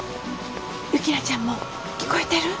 雪菜ちゃんも聞こえてる？